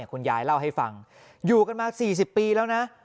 คุณยายเล่าให้ฟังอยู่กันมา๔๐ปีแล้วนะ